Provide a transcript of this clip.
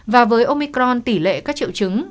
và với omicron tỷ lệ các triệu chứng